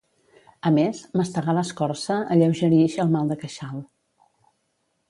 A més, mastegar l'escorça alleugerix el mal de queixal.